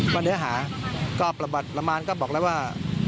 ก็เนื้อหาก็ประวัติประมาณก็บอกแล้วว่า